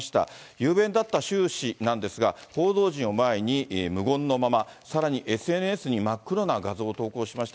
雄弁だった周氏なんですが、報道陣を前に無言のまま、さらにＳＮＳに真っ黒な画像を投稿しました。